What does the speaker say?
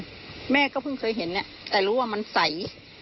น้ำนี้ก็เพิ่งเคยเห็นแต่รู้ว่ามันใส